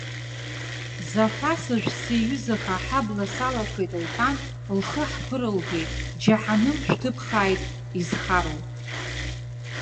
Зафасыжә сиҩызаха аҳабла салахеит лҳәан, лхы ҳԥырылгеит, џьаҳаным шәҭыԥхааит изхароу.